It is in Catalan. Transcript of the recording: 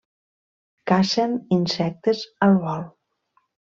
Cacen insectes al vol.